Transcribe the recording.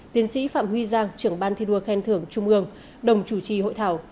tiến sĩ phạm huy giang trưởng ban thi đua khen thưởng trung ương đồng chủ trì hội thảo